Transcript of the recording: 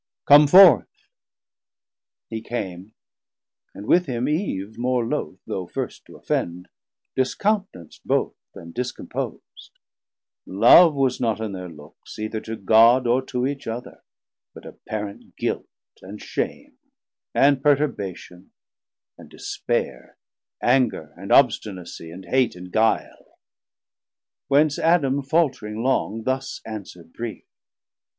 Come forth. He came, and with him Eve, more loth, though first To offend, discount'nanc't both, and discompos'd; 110 Love was not in thir looks, either to God Or to each other, but apparent guilt, And shame, and perturbation, and despaire, Anger, and obstinacie, and hate, and guile. Whence Adam faultring long, thus answer'd brief.